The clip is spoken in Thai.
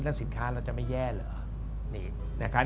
แล้วสินค้าเราจะไม่แย่เหรอ